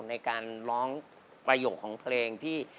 ในการร้องประโยคของเพลงที่